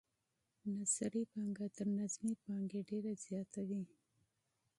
نثري پانګه تر نظمي پانګې ډیره زیاته وي.